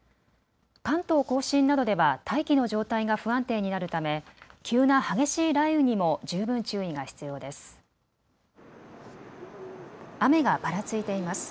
関東甲信などでは大気の状態が不安定になるため急な激しい雷雨にも十分注意が必要です。